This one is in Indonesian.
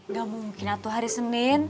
gak mungkin atau hari senin